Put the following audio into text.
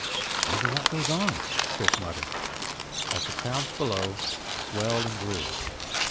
"Wonder what goes on?" Chris muttered, as the crowds below swelled and grew.